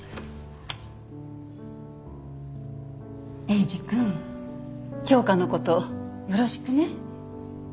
エイジ君京花のことよろしくね。